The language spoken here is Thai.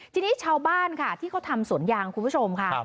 ทีนี้ชาวบ้านค่ะที่เขาทำสวนยางคุณผู้ชมค่ะ